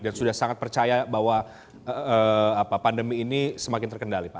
dan sudah sangat percaya bahwa pandemi ini semakin terkendali pak